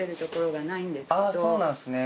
あそうなんですね。